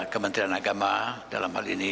kementerian agama dalam hal ini